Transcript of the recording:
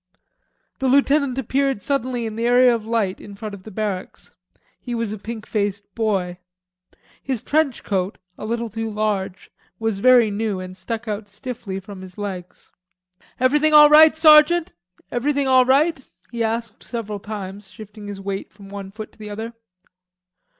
The lieutenant appeared suddenly in the area of light in front of the barracks. He was a pink faced boy. His trench coat, a little too large, was very new and stuck out stiffly from his legs. "Everything all right, sergeant? Everything all right?" he asked several times, shifting his weight from one foot to the other.